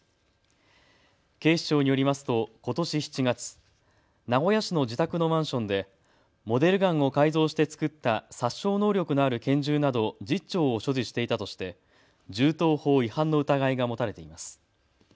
警視庁によりますとことし７月、名古屋市の自宅のマンションでモデルガンを改造して作った殺傷能力のある拳銃など１０丁を所持していたとして銃刀法違反の疑いが持たれています。